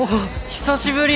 久しぶり。